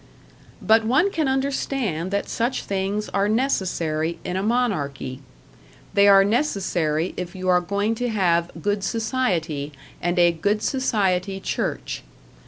But one can understand that such things are necessary in a monarchy; they are necessary if you are going to have Good Society, and a Good Society church.